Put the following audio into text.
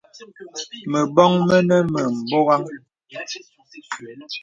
Məbɔŋ mənə mə bɔghaŋ.